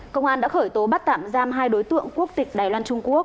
công an đã khởi tố bắt tạm giam hai đối tượng quốc tịch đài loan trung quốc